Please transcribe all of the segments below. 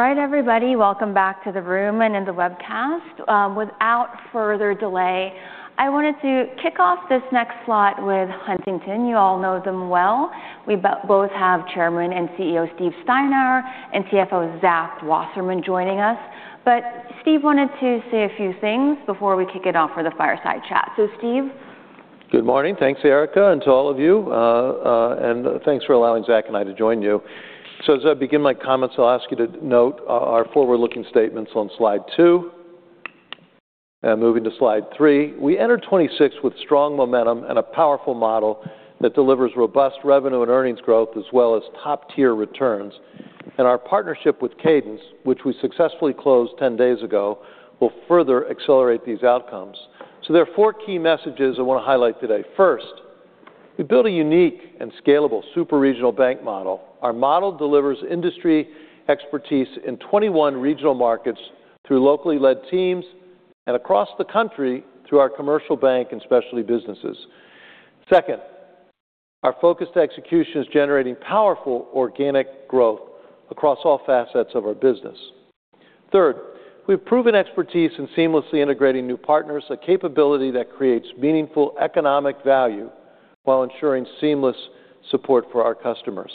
All right, everybody, welcome back to the room and in the webcast. Without further delay, I wanted to kick off this next slot with Huntington. You all know them well. We both have Chairman and CEO, Steve Steinour, and CFO, Zach Wasserman, joining us. But Steve wanted to say a few things before we kick it off for the fireside chat. So Steve? Good morning. Thanks, Erica, and to all of you. And thanks for allowing Zach and I to join you. So as I begin my comments, I'll ask you to note our forward-looking statements on slide two, and moving to slide three. We entered 2026 with strong momentum and a powerful model that delivers robust revenue and earnings growth, as well as top-tier returns. And our partnership with Cadence, which we successfully closed 10 days ago, will further accelerate these outcomes. So there are four key messages I want to highlight today. First, we built a unique and scalable super-regional bank model. Our model delivers industry expertise in 21 regional markets through locally led teams and across the country through our commercial bank and specialty businesses. Second, our focused execution is generating powerful organic growth across all facets of our business. Third, we've proven expertise in seamlessly integrating new partners, a capability that creates meaningful economic value while ensuring seamless support for our customers.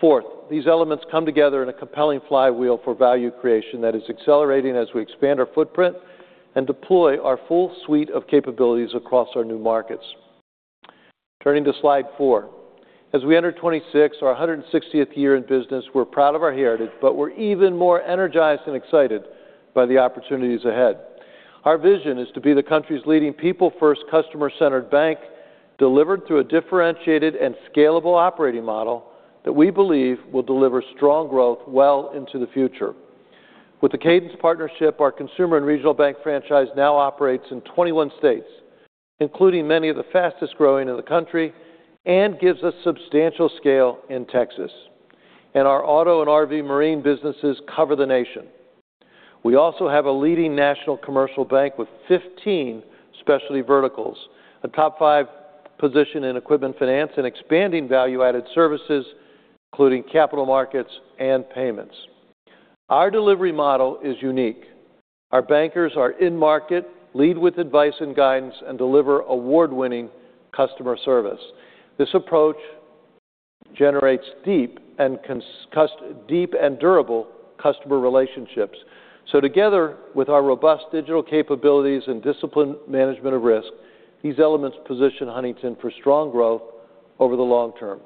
Fourth, these elements come together in a compelling flywheel for value creation that is accelerating as we expand our footprint and deploy our full suite of capabilities across our new markets. Turning to slide four. As we enter 2026, our 160th year in business, we're proud of our heritage, but we're even more energized and excited by the opportunities ahead. Our vision is to be the country's leading people-first, customer-centered bank, delivered through a differentiated and scalable operating model that we believe will deliver strong growth well into the future. With the Cadence partnership, our consumer and regional bank franchise now operates in 21 states, including many of the fastest growing in the country, and gives us substantial scale in Texas. Our auto and RV marine businesses cover the nation. We also have a leading national commercial bank with 15 specialty verticals, a top five position in equipment finance and expanding value-added services, including capital markets and payments. Our delivery model is unique. Our bankers are in-market, lead with advice and guidance, and deliver award-winning customer service. This approach generates deep and durable customer relationships. Together with our robust digital capabilities and disciplined management of risk, these elements position Huntington for strong growth over the long term.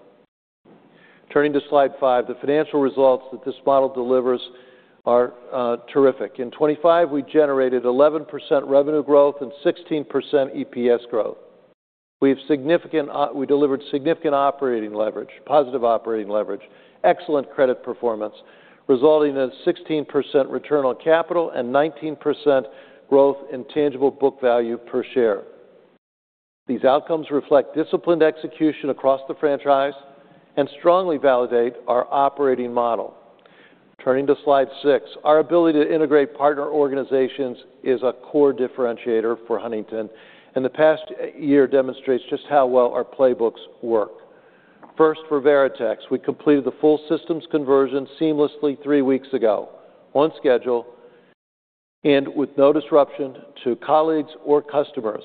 Turning to slide five, the financial results that this model delivers are terrific. In 2025, we generated 11% revenue growth and 16% EPS growth. We have significant we delivered significant operating leverage, positive operating leverage, excellent credit performance, resulting in a 16% return on capital and 19% growth in tangible book value per share. These outcomes reflect disciplined execution across the franchise and strongly validate our operating model. Turning to slide six, our ability to integrate partner organizations is a core differentiator for Huntington, and the past year demonstrates just how well our playbooks work. First, for Veritex, we completed the full systems conversion seamlessly three weeks ago, on schedule and with no disruption to colleagues or customers.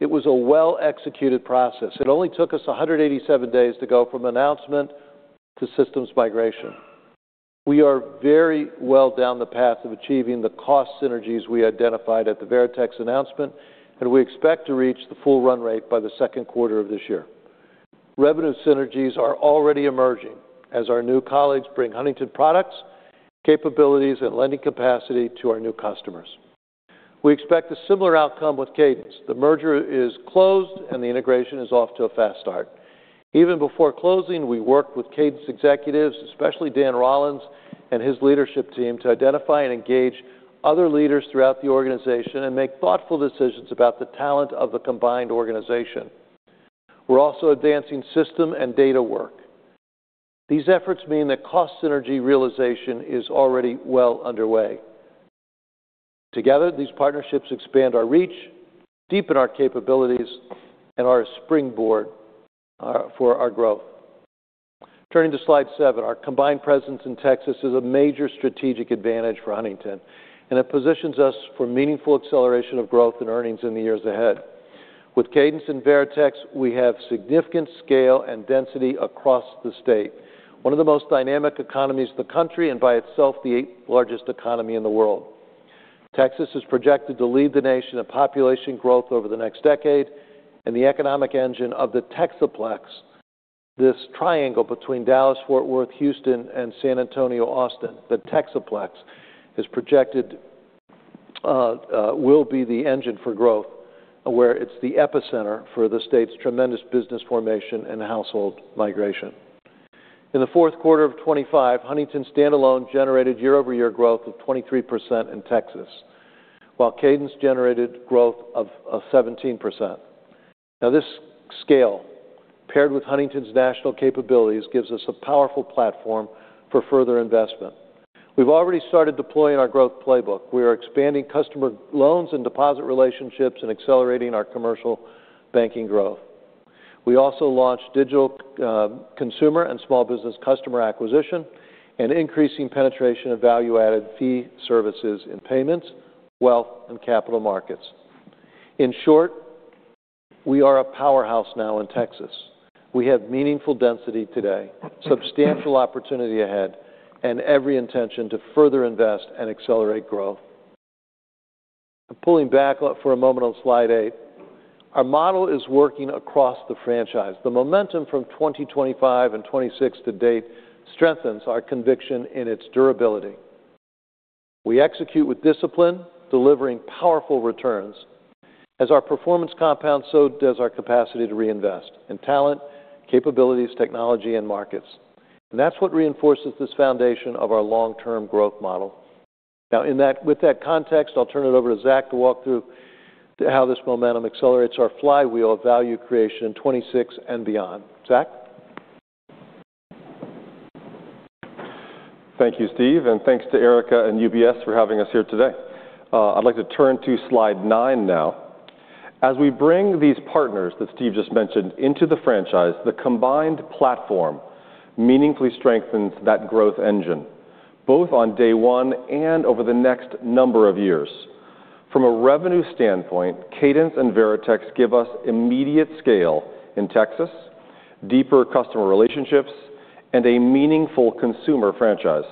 It was a well-executed process. It only took us 187 days to go from announcement to systems migration. We are very well down the path of achieving the cost synergies we identified at the Veritex announcement, and we expect to reach the full run rate by the second quarter of this year. Revenue synergies are already emerging as our new colleagues bring Huntington products, capabilities, and lending capacity to our new customers. We expect a similar outcome with Cadence. The merger is closed, and the integration is off to a fast start. Even before closing, we worked with Cadence executives, especially Dan Rollins and his leadership team, to identify and engage other leaders throughout the organization and make thoughtful decisions about the talent of the combined organization. We're also advancing system and data work. These efforts mean that cost synergy realization is already well underway. Together, these partnerships expand our reach, deepen our capabilities, and are a springboard for our growth. Turning to slide seven, our combined presence in Texas is a major strategic advantage for Huntington, and it positions us for meaningful acceleration of growth and earnings in the years ahead. With Cadence and Veritex, we have significant scale and density across the state, one of the most dynamic economies in the country and by itself, the 8th largest economy in the world. Texas is projected to lead the nation in population growth over the next decade, and the economic engine of the Texaplex, this triangle between Dallas, Fort Worth, Houston, and San Antonio, Austin. The Texaplex is projected, will be the engine for growth, where it's the epicenter for the state's tremendous business formation and household migration. In the fourth quarter of 2025, Huntington standalone generated year-over-year growth of 23% in Texas, while Cadence generated growth of, of 17%. Now, this scale, paired with Huntington's national capabilities, gives us a powerful platform for further investment. We've already started deploying our growth playbook. We are expanding customer loans and deposit relationships and accelerating our commercial banking growth. We also launched digital, consumer and small business customer acquisition and increasing penetration of value-added fee services in payments, wealth, and capital markets. In short, we are a powerhouse now in Texas. We have meaningful density today, substantial opportunity ahead, and every intention to further invest and accelerate growth. Pulling back for a moment on slide eight, our model is working across the franchise. The momentum from 2025 and 2026 to date strengthens our conviction in its durability. We execute with discipline, delivering powerful returns. As our performance compounds, so does our capacity to reinvest in talent, capabilities, technology, and markets. That's what reinforces this foundation of our long-term growth model. Now, with that context, I'll turn it over to Zach to walk through how this momentum accelerates our flywheel of value creation in 2026 and beyond. Zach? Thank you, Steve, and thanks to Erica and UBS for having us here today. I'd like to turn to slide nine now. As we bring these partners that Steve just mentioned into the franchise, the combined platform meaningfully strengthens that growth engine, both on day one and over the next number of years. From a revenue standpoint, Cadence and Veritex give us immediate scale in Texas, deeper customer relationships, and a meaningful consumer franchise,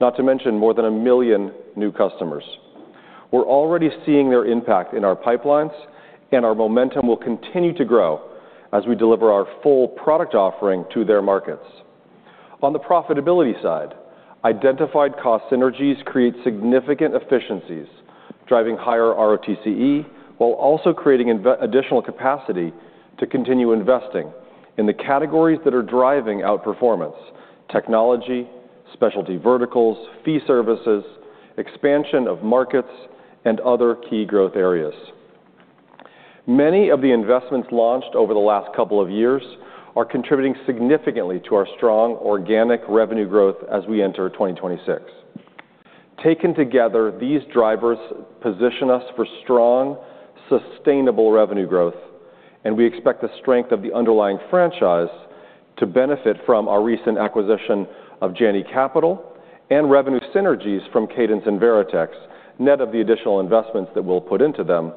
not to mention more than a million new customers. We're already seeing their impact in our pipelines, and our momentum will continue to grow as we deliver our full product offering to their markets. On the profitability side, identified cost synergies create significant efficiencies, driving higher ROTCE, while also creating additional capacity to continue investing in the categories that are driving outperformance, technology, specialty verticals, fee services, expansion of markets, and other key growth areas. Many of the investments launched over the last couple of years are contributing significantly to our strong organic revenue growth as we enter 2026. Taken together, these drivers position us for strong, sustainable revenue growth, and we expect the strength of the underlying franchise to benefit from our recent acquisition of Janney Capital and revenue synergies from Cadence and Veritex, net of the additional investments that we'll put into them,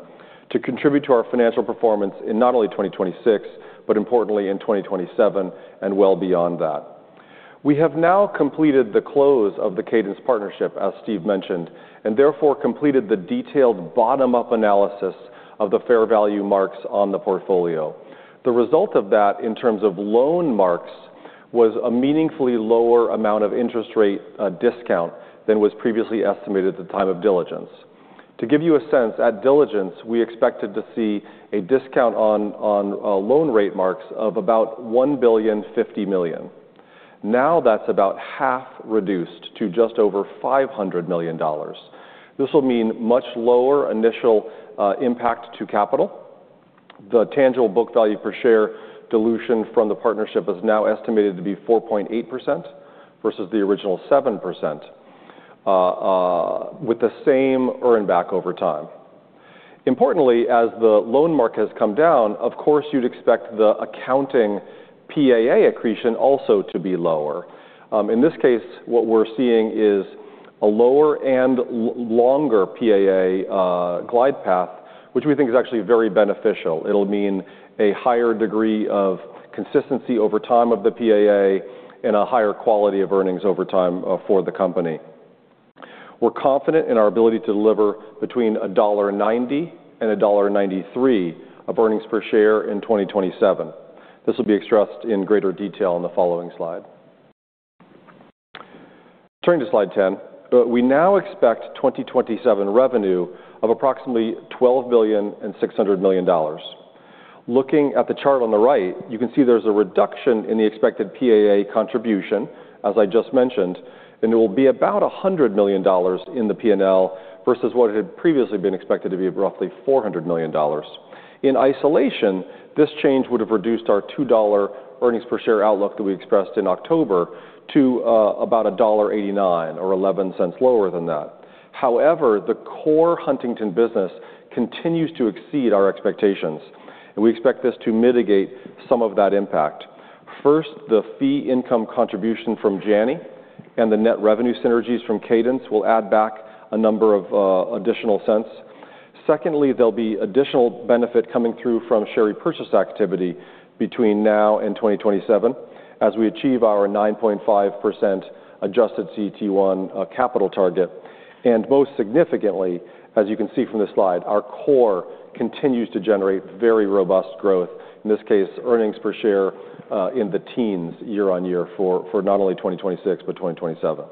to contribute to our financial performance in not only 2026, but importantly in 2027 and well beyond that. We have now completed the close of the Cadence partnership, as Steve mentioned, and therefore completed the detailed bottom-up analysis of the fair value marks on the portfolio. The result of that, in terms of loan marks, was a meaningfully lower amount of interest rate discount than was previously estimated at the time of diligence. To give you a sense, at diligence, we expected to see a discount on loan rate marks of about $1.05 billion. Now, that's about half reduced to just over $500 million. This will mean much lower initial impact to capital. The tangible book value per share dilution from the partnership is now estimated to be 4.8% versus the original 7% with the same earn back over time. Importantly, as the loan mark has come down, of course, you'd expect the accounting PAA accretion also to be lower. In this case, what we're seeing is a lower and longer PAA glide path, which we think is actually very beneficial. It'll mean a higher degree of consistency over time of the PAA and a higher quality of earnings over time for the company. We're confident in our ability to deliver between $1.90 and $1.93 of earnings per share in 2027. This will be expressed in greater detail in the following slide. Turning to slide 10, we now expect 2027 revenue of approximately $12.6 billion. Looking at the chart on the right, you can see there's a reduction in the expected PAA contribution, as I just mentioned, and it will be about $100 million in the PNL versus what had previously been expected to be roughly $400 million. In isolation, this change would have reduced our $2 earnings per share outlook that we expressed in October to about $1.89 or $0.11 lower than that. However, the core Huntington business continues to exceed our expectations, and we expect this to mitigate some of that impact. First, the fee income contribution from Janney and the net revenue synergies from Cadence will add back a number of additional cents. Secondly, there'll be additional benefit coming through from share repurchase activity between now and 2027 as we achieve our 9.5% adjusted CET1 capital target. Most significantly, as you can see from this slide, our core continues to generate very robust growth, in this case, earnings per share, in the teens year-over-year for not only 2026, but 2027.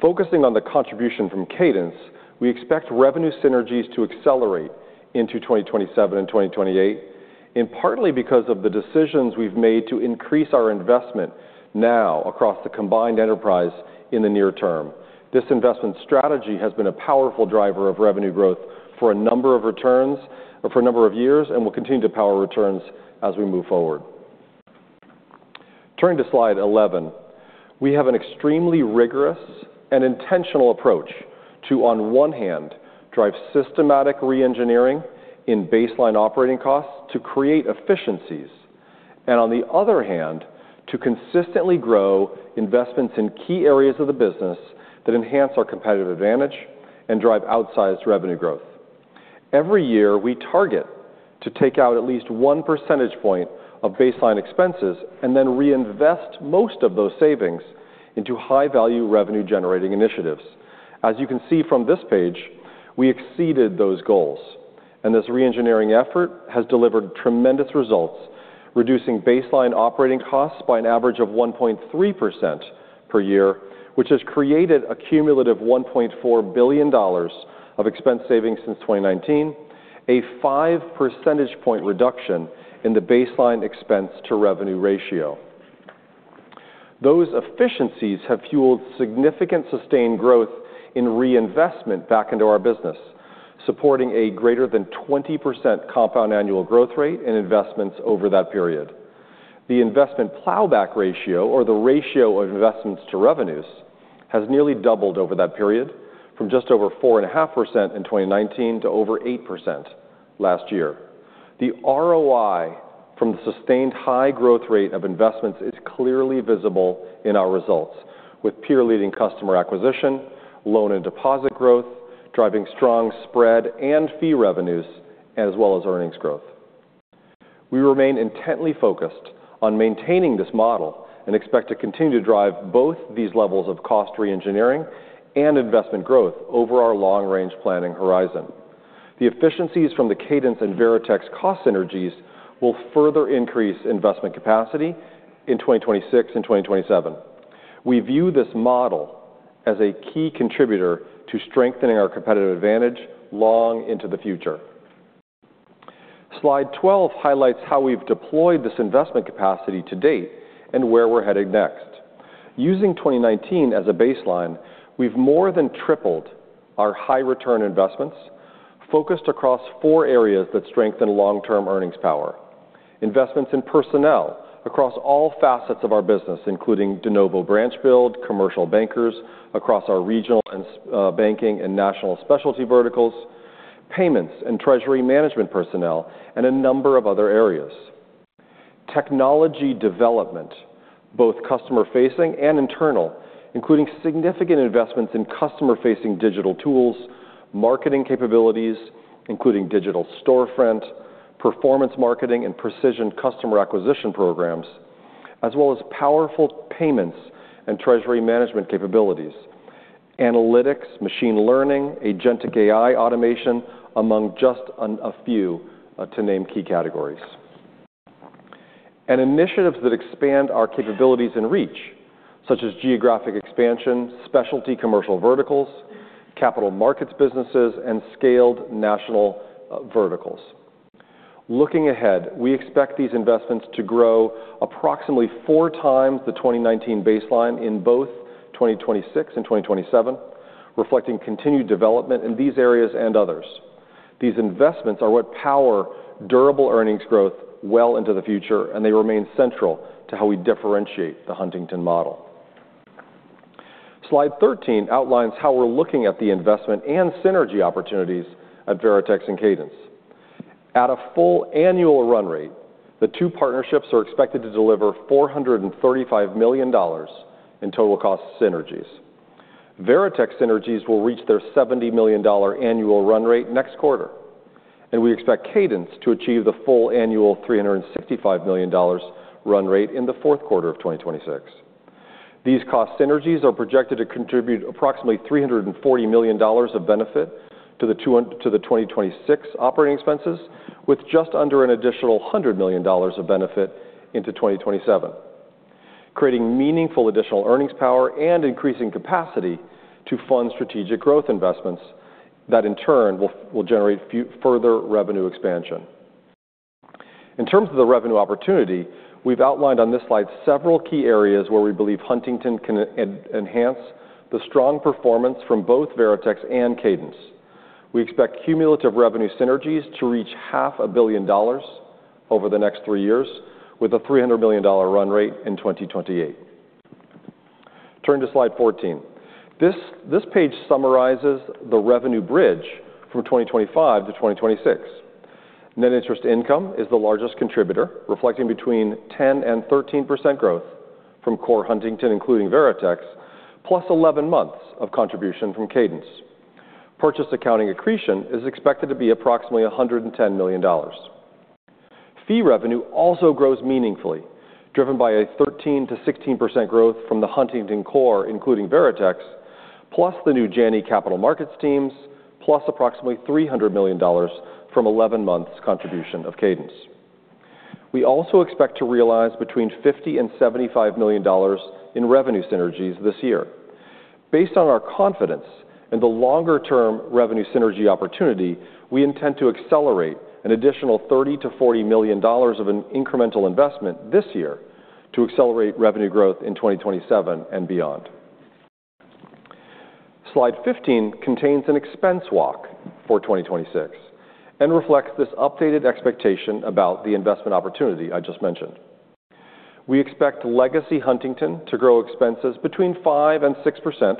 Focusing on the contribution from Cadence, we expect revenue synergies to accelerate into 2027 and 2028, and partly because of the decisions we've made to increase our investment now across the combined enterprise in the near term. This investment strategy has been a powerful driver of revenue growth for a number of returns-- or for a number of years, and will continue to power returns as we move forward.... Turning to slide 11, we have an extremely rigorous and intentional approach to, on one hand, drive systematic reengineering in baseline operating costs to create efficiencies, and on the other hand, to consistently grow investments in key areas of the business that enhance our competitive advantage and drive outsized revenue growth. Every year, we target to take out at least 1 percentage point of baseline expenses and then reinvest most of those savings into high-value revenue-generating initiatives. As you can see from this page, we exceeded those goals, and this reengineering effort has delivered tremendous results, reducing baseline operating costs by an average of 1.3% per year, which has created a cumulative $1.4 billion of expense savings since 2019, a 5 percentage point reduction in the baseline expense to revenue ratio. Those efficiencies have fueled significant sustained growth in reinvestment back into our business, supporting a greater than 20% compound annual growth rate in investments over that period. The investment plowback ratio, or the ratio of investments to revenues, has nearly doubled over that period, from just over 4.5% in 2019 to over 8% last year. The ROI from the sustained high growth rate of investments is clearly visible in our results, with peer-leading customer acquisition, loan and deposit growth, driving strong spread and fee revenues, as well as earnings growth. We remain intently focused on maintaining this model and expect to continue to drive both these levels of cost reengineering and investment growth over our long-range planning horizon. The efficiencies from the Cadence and Veritex cost synergies will further increase investment capacity in 2026 and 2027. We view this model as a key contributor to strengthening our competitive advantage long into the future. Slide 12 highlights how we've deployed this investment capacity to date and where we're headed next. Using 2019 as a baseline, we've more than tripled our high return investments, focused across four areas that strengthen long-term earnings power. Investments in personnel across all facets of our business, including de novo branch build, commercial bankers across our regional and specialty banking and national specialty verticals, payments and treasury management personnel, and a number of other areas. Technology development, both customer-facing and internal, including significant investments in customer-facing digital tools, marketing capabilities, including digital storefront, performance marketing, and precision customer acquisition programs, as well as powerful payments and treasury management capabilities, analytics, machine learning, agentic AI automation, among just a few, to name key categories. Initiatives that expand our capabilities and reach, such as geographic expansion, specialty commercial verticals, capital markets businesses, and scaled national verticals. Looking ahead, we expect these investments to grow approximately 4x the 2019 baseline in both 2026 and 2027, reflecting continued development in these areas and others. These investments are what power durable earnings growth well into the future, and they remain central to how we differentiate the Huntington model. Slide 13 outlines how we're looking at the investment and synergy opportunities at Veritex and Cadence. At a full annual run rate, the two partnerships are expected to deliver $435 million in total cost synergies. Veritex synergies will reach their $70 million annual run rate next quarter, and we expect Cadence to achieve the full annual $365 million run rate in the fourth quarter of 2026. These cost synergies are projected to contribute approximately $340 million of benefit to the 2026 operating expenses, with just under an additional $100 million of benefit into 2027, creating meaningful additional earnings power and increasing capacity to fund strategic growth investments that, in turn, will generate further revenue expansion. In terms of the revenue opportunity, we've outlined on this slide several key areas where we believe Huntington can enhance the strong performance from both Veritex and Cadence. We expect cumulative revenue synergies to reach $500 million over the next three years, with a $300 million run rate in 2028. Turn to slide 14. This page summarizes the revenue bridge from 2025 to 2026. Net interest income is the largest contributor, reflecting 10%-13% growth from core Huntington, including Veritex, plus 11 months of contribution from Cadence. Purchase accounting accretion is expected to be approximately $110 million. Fee revenue also grows meaningfully, driven by 13%-16% growth from the Huntington core, including Veritex, plus the new Janney Capital Markets teams, plus approximately $300 million from 11 months' contribution of Cadence. We also expect to realize $50 million-$75 million in revenue synergies this year. Based on our confidence in the longer-term revenue synergy opportunity, we intend to accelerate an additional $30 million-$40 million of an incremental investment this year to accelerate revenue growth in 2027 and beyond. Slide 15 contains an expense walk for 2026 and reflects this updated expectation about the investment opportunity I just mentioned. We expect legacy Huntington to grow expenses between 5% and 6%,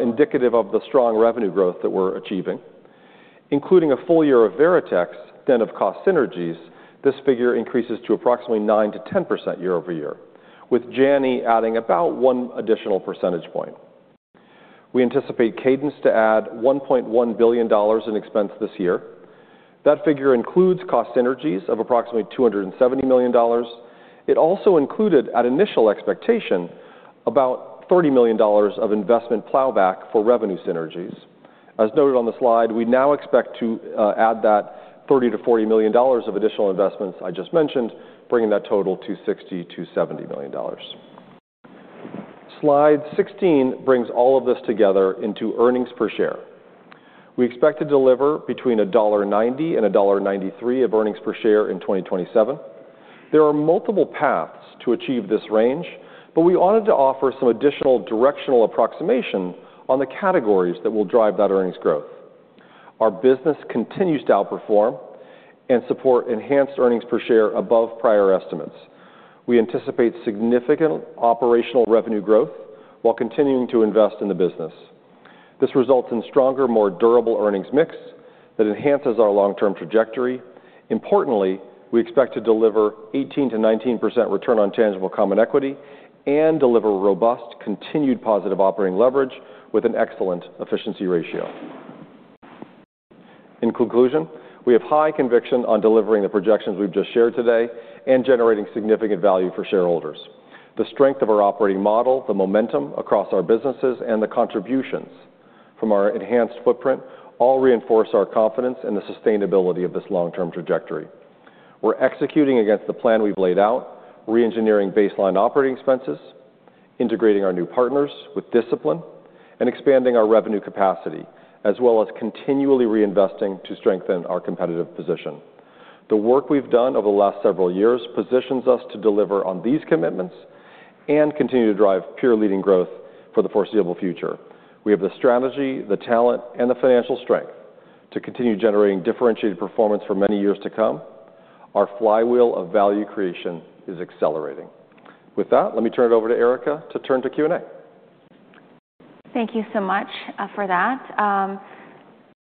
indicative of the strong revenue growth that we're achieving, including a full year of Veritex then of cost synergies. This figure increases to approximately 9%-10% year-over-year, with Janney adding about 1 additional percentage point. We anticipate Cadence to add $1.1 billion in expense this year. That figure includes cost synergies of approximately $270 million. It also included, at initial expectation, about $30 million of investment plowback for revenue synergies. As noted on the slide, we now expect to add that $30 million-$40 million of additional investments I just mentioned, bringing that total to $60 million-$70 million. Slide 16 brings all of this together into earnings per share. We expect to deliver between $1.90 and $1.93 of earnings per share in 2027. There are multiple paths to achieve this range, but we wanted to offer some additional directional approximation on the categories that will drive that earnings growth. Our business continues to outperform and support enhanced earnings per share above prior estimates. We anticipate significant operational revenue growth while continuing to invest in the business. This results in stronger, more durable earnings mix that enhances our long-term trajectory. Importantly, we expect to deliver 18%-19% return on tangible common equity and deliver robust, continued positive operating leverage with an excellent efficiency ratio. In conclusion, we have high conviction on delivering the projections we've just shared today and generating significant value for shareholders. The strength of our operating model, the momentum across our businesses, and the contributions from our enhanced footprint all reinforce our confidence in the sustainability of this long-term trajectory. We're executing against the plan we've laid out, reengineering baseline operating expenses, integrating our new partners with discipline, and expanding our revenue capacity, as well as continually reinvesting to strengthen our competitive position. The work we've done over the last several years positions us to deliver on these commitments and continue to drive peer-leading growth for the foreseeable future. We have the strategy, the talent, and the financial strength to continue generating differentiated performance for many years to come. Our flywheel of value creation is accelerating. With that, let me turn it over to Erica to turn to Q&A. Thank you so much for that.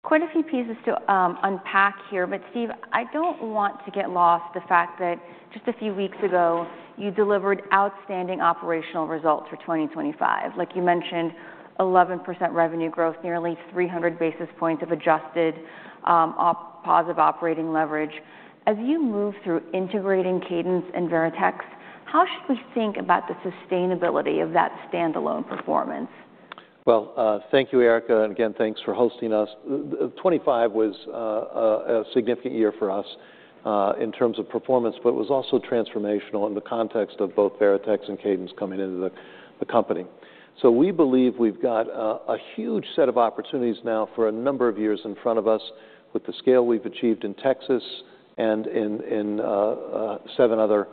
Quite a few pieces to unpack here, but Steve, I don't want to get lost the fact that just a few weeks ago, you delivered outstanding operational results for 2025. Like you mentioned, 11% revenue growth, nearly 300 basis points of adjusted positive operating leverage. As you move through integrating Cadence and Veritex, how should we think about the sustainability of that standalone performance? Well, thank you, Erica, and again, thanks for hosting us. The 2025 was a significant year for us in terms of performance, but was also transformational in the context of both Veritex and Cadence coming into the company. So we believe we've got a huge set of opportunities now for a number of years in front of us with the scale we've achieved in Texas and in seven other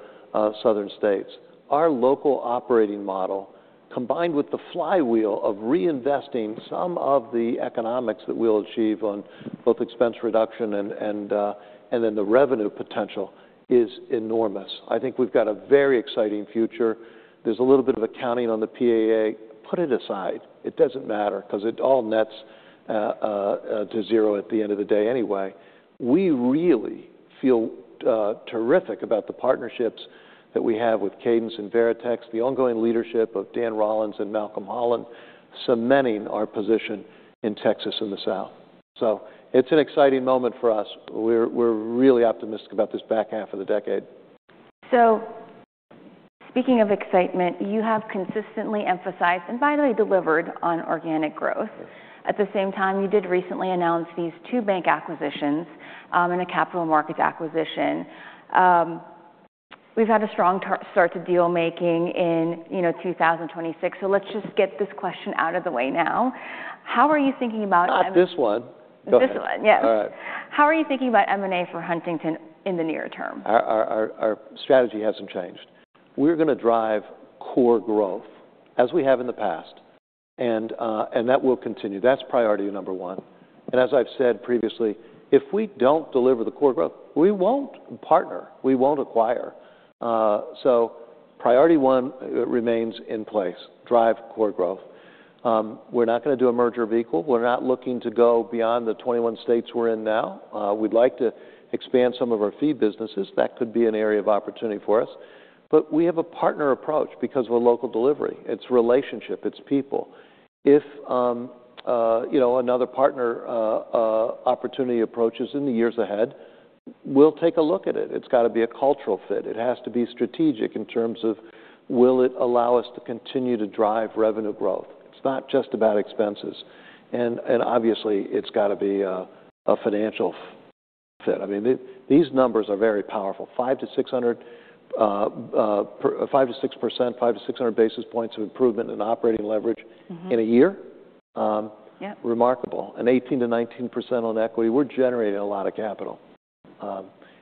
southern states. Our local operating model, combined with the flywheel of reinvesting some of the economics that we'll achieve on both expense reduction and then the revenue potential, is enormous. I think we've got a very exciting future. There's a little bit of accounting on the PAA. Put it aside. It doesn't matter, 'cause it all nets to zero at the end of the day anyway. We really feel terrific about the partnerships that we have with Cadence and Veritex, the ongoing leadership of Dan Rollins and Malcolm Holland, cementing our position in Texas and the South. So it's an exciting moment for us. We're really optimistic about this back half of the decade. So speaking of excitement, you have consistently emphasized and finally delivered on organic growth. At the same time, you did recently announce these two bank acquisitions, and a capital markets acquisition. We've had a strong start to deal making in, you know, 2026, so let's just get this question out of the way now. How are you thinking about- Not this one. Go ahead. This one. Yes. All right. How are you thinking about M&A for Huntington in the near term? Our strategy hasn't changed. We're gonna drive core growth as we have in the past, and that will continue. That's priority number one, and as I've said previously, if we don't deliver the core growth, we won't partner, we won't acquire. So priority one remains in place: drive core growth. We're not gonna do a merger of equal. We're not looking to go beyond the 21 states we're in now. We'd like to expand some of our fee businesses. That could be an area of opportunity for us. But we have a partner approach because we're local delivery. It's relationship, it's people. If you know, another partner opportunity approaches in the years ahead, we'll take a look at it. It's got to be a cultural fit. It has to be strategic in terms of will it allow us to continue to drive revenue growth? It's not just about expenses, and obviously, it's got to be a financial fit. I mean, these numbers are very powerful. 500-600, 5%-6%, 500-600 basis points of improvement in operating leverage in a year? Remarkable. 18%-19% on equity. We're generating a lot of capital.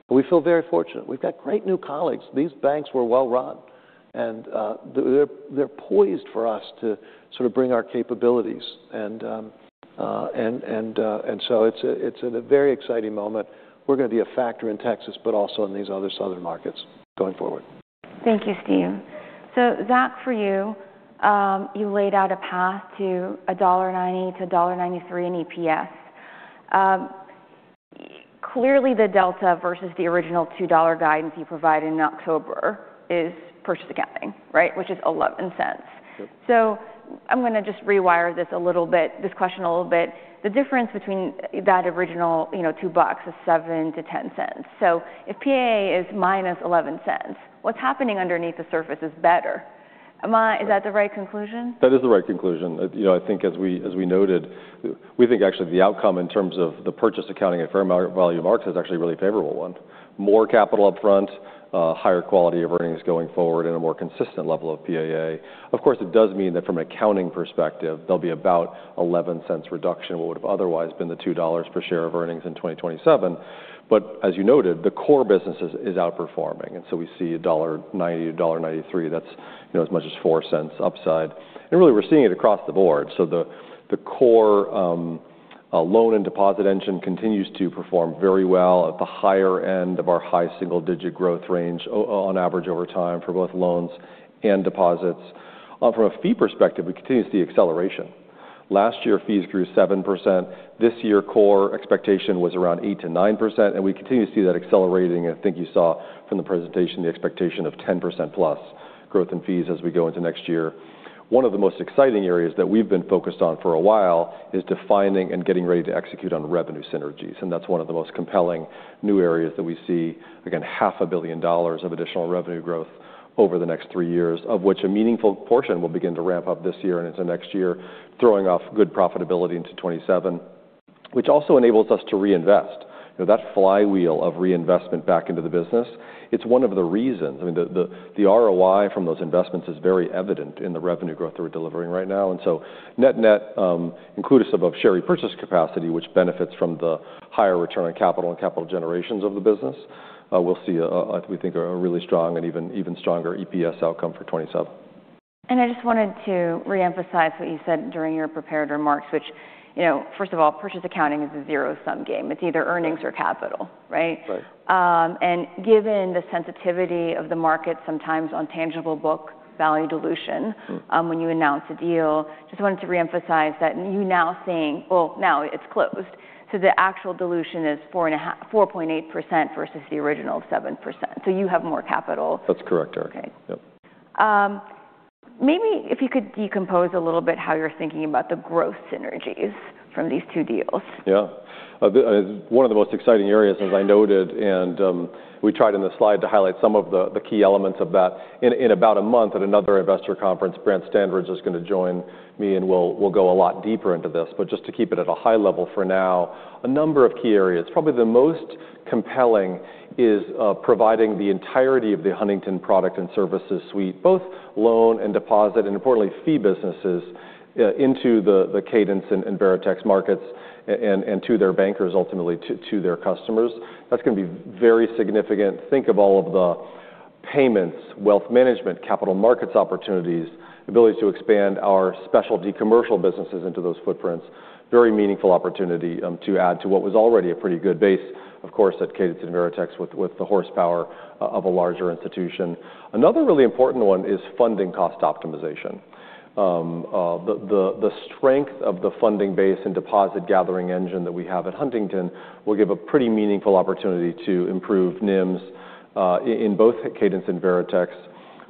We feel very fortunate. We've got great new colleagues. These banks were well run. and they're poised for us to sort of bring our capabilities. And so it's a very exciting moment. We're going to be a factor in Texas, but also in these other southern markets going forward. Thank you, Steve. So Zach, for you, you laid out a path to $1.90-$1.93 in EPS. Clearly, the delta versus the original $2 guidance you provided in October is purchase accounting, right? Which is $0.11. So I'm going to just rewire this a little bit, this question a little bit. The difference between that original, you know, $2 is $0.07 to $0.10. So if PAA is -$0.11, what's happening underneath the surface is better. Am I, is that the right conclusion? That is the right conclusion. You know, I think as we, as we noted, we think actually the outcome in terms of the purchase accounting at fair market value marks is actually a really favorable one. More capital upfront, higher quality of earnings going forward, and a more consistent level of PAA. Of course, it does mean that from an accounting perspective, there'll be about $0.11 reduction in what would've otherwise been the $2 per share of earnings in 2027. But as you noted, the core business is, is outperforming, and so we see $1.90-$1.93. That's, you know, as much as $0.04 upside. And really, we're seeing it across the board. So the core loan and deposit engine continues to perform very well at the higher end of our high single-digit growth range on average over time for both loans and deposits. From a fee perspective, we continue to see acceleration. Last year, fees grew 7%. This year, core expectation was around 8%-9%, and we continue to see that accelerating. I think you saw from the presentation the expectation of 10%+ growth in fees as we go into next year. One of the most exciting areas that we've been focused on for a while is defining and getting ready to execute on revenue synergies, and that's one of the most compelling new areas that we see. Again, $500 million of additional revenue growth over the next three years, of which a meaningful portion will begin to ramp up this year and into next year, throwing off good profitability into 2027, which also enables us to reinvest. You know, that flywheel of reinvestment back into the business, it's one of the reasons. I mean, the ROI from those investments is very evident in the revenue growth that we're delivering right now. And so net-net, includes above share repurchase capacity, which benefits from the higher return on capital and capital generations of the business. We'll see a, we think, a really strong and even stronger EPS outcome for 2027. I just wanted to reemphasize what you said during your prepared remarks, which, you know, first of all, purchase accounting is a zero-sum game. It's either earnings or capital, right? Right. And given the sensitivity of the market sometimes on tangible book value dilution. When you announce a deal, just wanted to reemphasize that you now saying... Well, now it's closed, so the actual dilution is 4.5%, 4.8% versus the original 7%. So you have more capital. That's correct, Erica. Okay. Yep. Maybe if you could decompose a little bit how you're thinking about the growth synergies from these two deals? Yeah. The one of the most exciting areas, as I noted, and we tried in the slide to highlight some of the key elements of that. In about a month, at another investor conference, Brant Standridge is going to join me, and we'll go a lot deeper into this. But just to keep it at a high level for now, a number of key areas. Probably the most compelling is providing the entirety of the Huntington product and services suite, both loan and deposit, and importantly, fee businesses, into the Cadence and Veritex markets and to their bankers, ultimately to their customers. That's going to be very significant. Think of all of the payments, wealth management, capital markets opportunities, ability to expand our specialty commercial businesses into those footprints. Very meaningful opportunity to add to what was already a pretty good base, of course, at Cadence and Veritex, with the horsepower of a larger institution. Another really important one is funding cost optimization. The strength of the funding base and deposit gathering engine that we have at Huntington will give a pretty meaningful opportunity to improve NIMs in both Cadence and Veritex.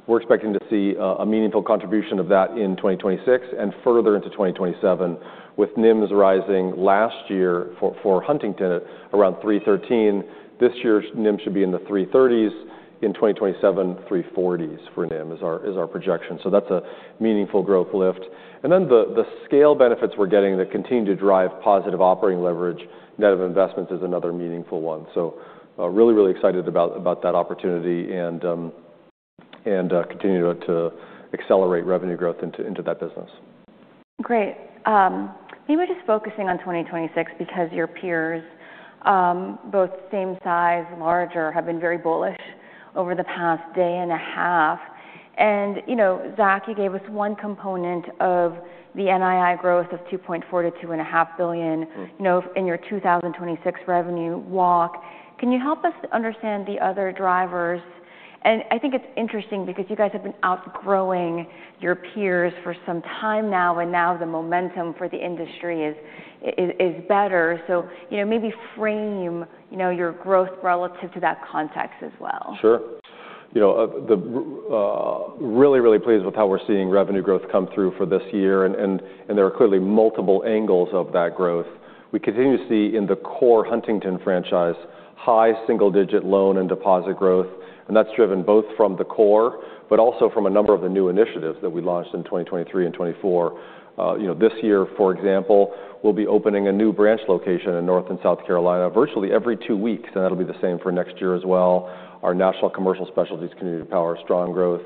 We're expecting to see a meaningful contribution of that in 2026 and further into 2027, with NIMs rising last year for Huntington around 3.13. This year's NIM should be in the 3.30s. In 2027, 3.40s for NIM is our projection. So that's a meaningful growth lift. And then the scale benefits we're getting that continue to drive positive operating leverage net of investments is another meaningful one. Really, really excited about that opportunity and continue to accelerate revenue growth into that business. Great. Maybe just focusing on 2026 because your peers, both same size, larger, have been very bullish over the past day and a half. And, you know, Zach, you gave us one component of the NII growth of $2.4 billion-$2.5 billion. You know, in your 2026 revenue walk. Can you help us understand the other drivers? And I think it's interesting because you guys have been outgrowing your peers for some time now, and now the momentum for the industry is better. So, you know, maybe frame, you know, your growth relative to that context as well. Sure. You know, really, really pleased with how we're seeing revenue growth come through for this year, and there are clearly multiple angles of that growth. We continue to see in the core Huntington franchise, high single-digit loan and deposit growth, and that's driven both from the core but also from a number of the new initiatives that we launched in 2023 and 2024. You know, this year, for example, we'll be opening a new branch location in North and South Carolina virtually every two weeks, and that'll be the same for next year as well. Our national commercial specialties continue to power strong growth,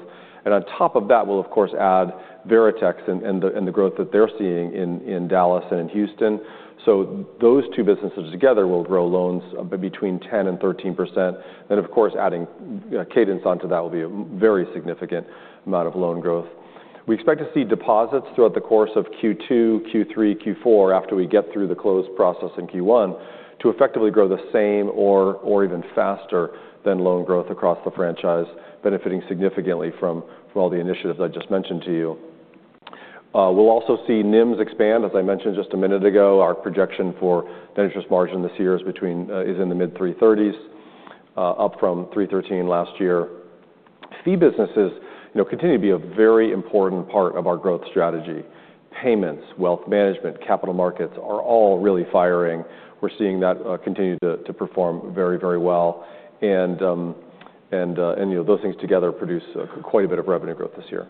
and on top of that, we'll of course add Veritex and the growth that they're seeing in Dallas and in Houston. So those two businesses together will grow loans between 10%-13%. Then, of course, adding Cadence onto that will be a very significant amount of loan growth. We expect to see deposits throughout the course of Q2, Q3, Q4, after we get through the close process in Q1, to effectively grow the same or even faster than loan growth across the franchise, benefiting significantly from all the initiatives I just mentioned to you. We'll also see NIMs expand. As I mentioned just a minute ago, our projection for net interest margin this year is between is in the mid-3.30s, up from 3.13 last year. Fee businesses, you know, continue to be a very important part of our growth strategy. Payments, wealth management, capital markets are all really firing. We're seeing that continue to perform very, very well. And those things together produce quite a bit of revenue growth this year.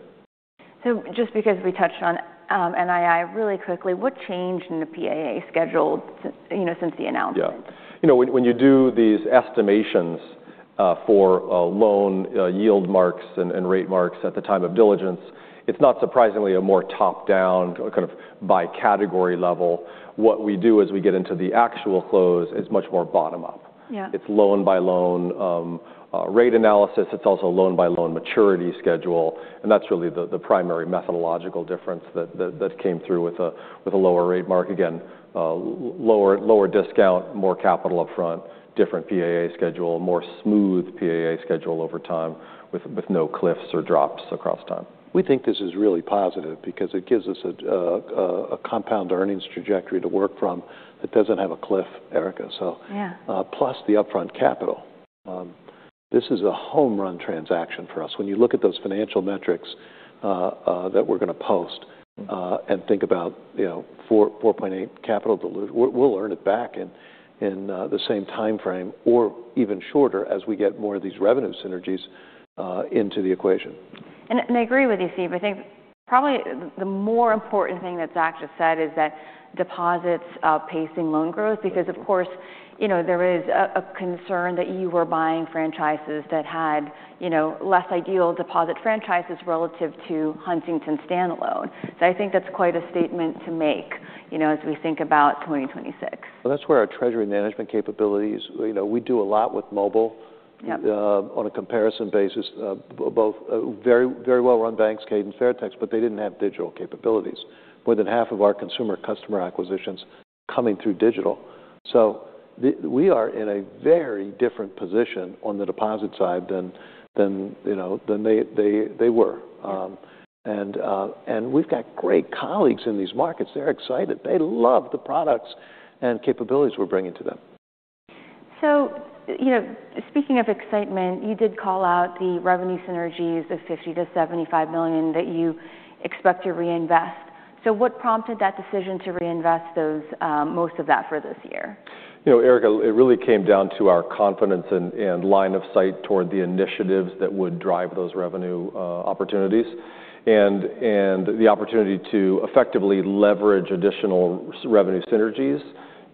Just because we touched on NII really quickly, what changed in the PAA schedule, you know, since the announcement? Yeah. You know, when you do these estimations for loan yield marks and rate marks at the time of diligence, it's not surprisingly, a more top-down, kind of, by category level. What we do as we get into the actual close is much more bottom-up. Yeah. It's loan by loan rate analysis. It's also loan by loan maturity schedule, and that's really the primary methodological difference that came through with a lower rate mark. Again, lower discount, more capital upfront, different PAA schedule, more smooth PAA schedule over time, with no cliffs or drops across time. We think this is really positive because it gives us a, a compound earnings trajectory to work from that doesn't have a cliff, Erica. So- Yeah. Plus the upfront capital. This is a home run transaction for us. When you look at those financial metrics that we're going to post and think about, you know, 4.8 capital dilute, we'll earn it back in the same timeframe or even shorter as we get more of these revenue synergies into the equation. I, I agree with you, Steve. I think probably the more important thing that Zach just said is that deposits are pacing loan growth. Because, of course, you know, there is a, a concern that you were buying franchises that had, you know, less ideal deposit franchises relative to Huntington standalone. So I think that's quite a statement to make, you know, as we think about 2026. Well, that's where our treasury management capabilities, you know, we do a lot with mobile. On a comparison basis, both very, very well-run banks, Cadence, Veritex, but they didn't have digital capabilities. More than half of our consumer customer acquisition's coming through digital. We are in a very different position on the deposit side than they were. And we've got great colleagues in these markets. They're excited. They love the products and capabilities we're bringing to them. So, you know, speaking of excitement, you did call out the revenue synergies of $50 million-$75 million that you expect to reinvest. So what prompted that decision to reinvest those, most of that for this year? You know, Erica, it really came down to our confidence and, and line of sight toward the initiatives that would drive those revenue opportunities. And, and the opportunity to effectively leverage additional revenue synergies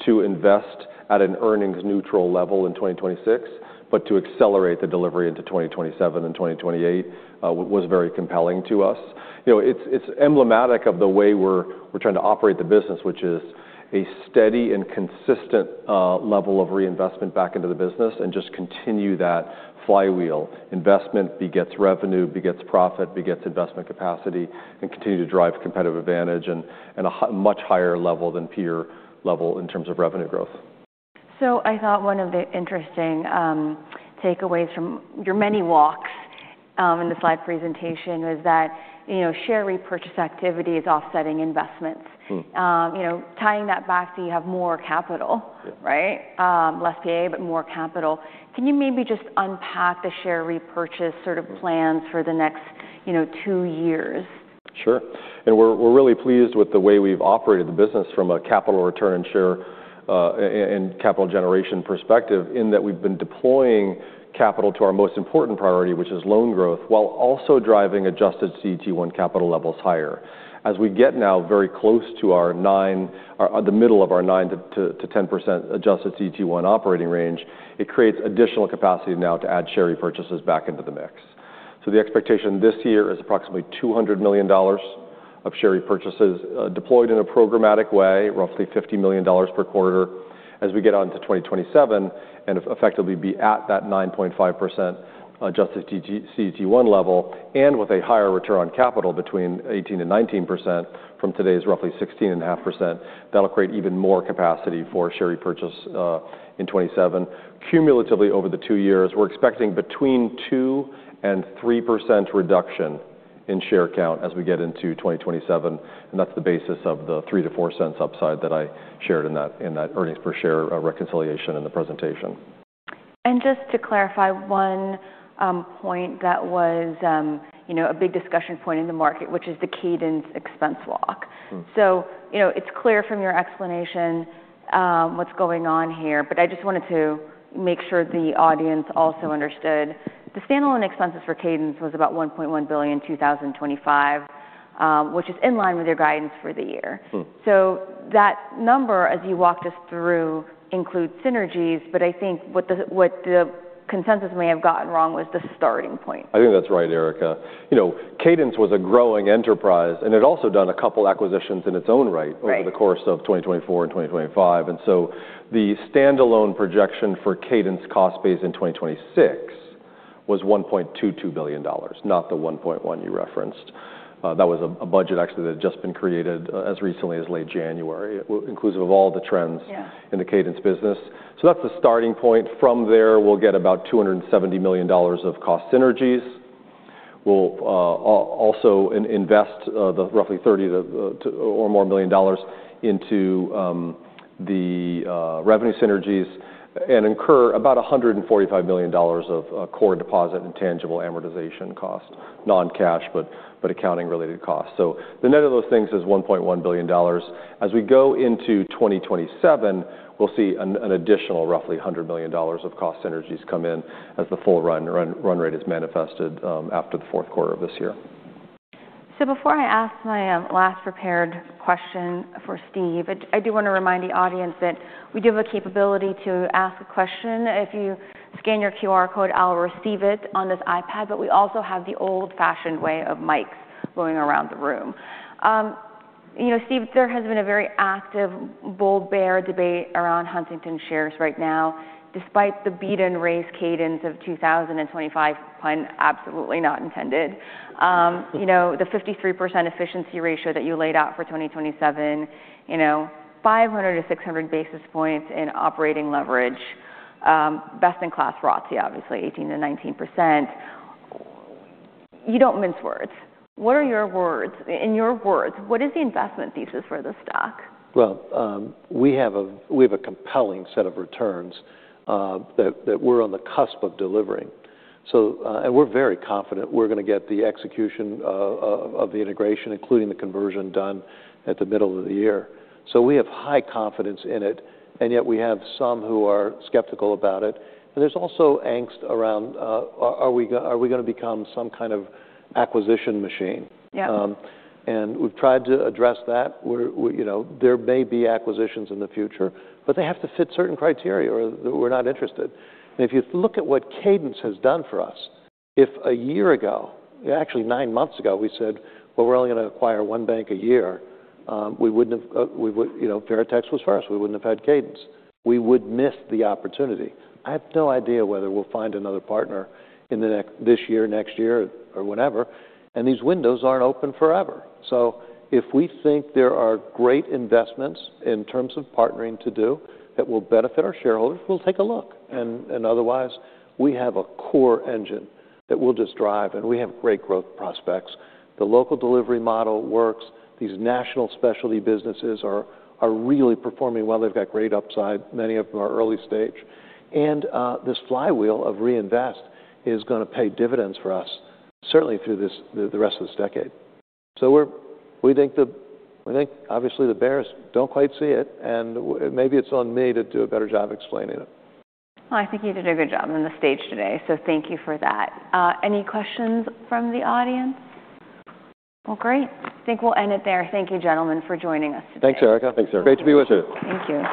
to invest at an earnings neutral level in 2026, but to accelerate the delivery into 2027 and 2028, was very compelling to us. You know, it's, it's emblematic of the way we're, we're trying to operate the business, which is a steady and consistent level of reinvestment back into the business and just continue that flywheel. Investment begets revenue, begets profit, begets investment capacity, and continue to drive competitive advantage and at a much higher level than peer level in terms of revenue growth. I thought one of the interesting takeaways from your many walks in the slide presentation is that, you know, share repurchase activity is offsetting investments. You know, tying that back, so you have more capital. Right? Less PAA, but more capital. Can you maybe just unpack the share repurchase sort of plans for the next, you know, two years? Sure. And we're really pleased with the way we've operated the business from a capital return share and capital generation perspective, in that we've been deploying capital to our most important priority, which is loan growth, while also driving adjusted CET1 capital levels higher. As we get now very close to the middle of our 9%-10% adjusted CET1 operating range, it creates additional capacity now to add share repurchases back into the mix. So the expectation this year is approximately $200 million of share repurchases, deployed in a programmatic way, roughly $50 million per quarter, as we get on to 2027, and effectively be at that 9.5% adjusted CET1 level, and with a higher return on capital between 18%-19% from today's roughly 16.5%. That'll create even more capacity for share repurchase, in 2027. Cumulatively, over the two years, we're expecting between 2% and 3% reduction in share count as we get into 2027, and that's the basis of the $0.03-$0.04 upside that I shared in that, in that earnings per share, reconciliation in the presentation. Just to clarify one point that was, you know, a big discussion point in the market, which is the Cadence expense walk. You know, it's clear from your explanation, what's going on here, but I just wanted to make sure the audience also understood. The standalone expenses for Cadence was about $1.1 billion in 2025, which is in line with your guidance for the year. So that number, as you walked us through, includes synergies, but I think what the consensus may have gotten wrong was the starting point. I think that's right, Erika. You know, Cadence was a growing enterprise, and it had also done a couple acquisitions in its own right- Right... over the course of 2024 and 2025. And so the standalone projection for Cadence cost base in 2026 was $1.22 billion, not the $1.1 billion you referenced. That was a budget actually that had just been created as recently as late January. It will inclusive of all the trends- Yeah. in the Cadence Bank business. So that's the starting point. From there, we'll get about $270 million of cost synergies. We'll also invest the roughly 30 or more million dollars into the revenue synergies and incur about $145 million of core deposit and tangible amortization costs. Non-cash, but accounting-related costs. So the net of those things is $1.1 billion. As we go into 2027, we'll see an additional roughly $100 million of cost synergies come in as the full run rate is manifested after the fourth quarter of this year. So before I ask my last prepared question for Steve, I do want to remind the audience that we do have a capability to ask a question. If you scan your QR code, I'll receive it on this iPad, but we also have the old-fashioned way of mics going around the room. You know, Steve, there has been a very active bull-bear debate around Huntington shares right now, despite the beat and raise cadence of 2025, pun absolutely not intended. You know, the 53% efficiency ratio that you laid out for 2027, you know, 500-600 basis points in operating leverage, best-in-class ROTCE, obviously 18%-19%. You don't mince words. What are your words? In your words, what is the investment thesis for this stock? Well, we have a, we have a compelling set of returns, that, that we're on the cusp of delivering. So... And we're very confident we're going to get the execution of, of, of the integration, including the conversion done at the middle of the year. So we have high confidence in it, and yet we have some who are skeptical about it, and there's also angst around, are we going to become some kind of acquisition machine? Yeah. And we've tried to address that, where we, you know, there may be acquisitions in the future, but they have to fit certain criteria or we're not interested. If you look at what Cadence has done for us, if a year ago, actually nine months ago, we said, "Well, we're only going to acquire one bank a year," we wouldn't have, we would, you know, Veritex was first. We wouldn't have had Cadence. We would miss the opportunity. I have no idea whether we'll find another partner in this year or next year or whenever, and these windows aren't open forever. So if we think there are great investments in terms of partnering to do that will benefit our shareholders, we'll take a look. Otherwise, we have a core engine that we'll just drive, and we have great growth prospects. The local delivery model works. These national specialty businesses are really performing well. They've got great upside. Many of them are early stage. And this flywheel of reinvest is going to pay dividends for us, certainly through the rest of this decade. So we think the... We think obviously the bears don't quite see it, and maybe it's on me to do a better job explaining it. I think you did a good job on the stage today, so thank you for that. Any questions from the audience? Well, great. I think we'll end it there. Thank you, gentlemen, for joining us today. Thanks, Erica. Thanks, Erica. Great to be with you. Thank you.